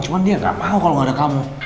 cuman dia gak mau kalau gak ada kamu